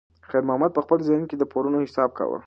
خیر محمد په خپل ذهن کې د پورونو حساب کاوه.